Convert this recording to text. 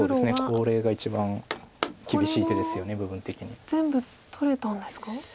これは全部取れたんですか？